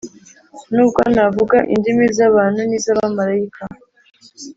nubwo navuga indimi z abantu n iz abamarayika